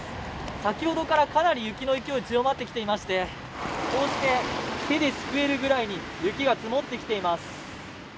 先ほどからかなり雪の勢い強まってきていましてこうして手ですくえるぐらいに雪が積もってきています。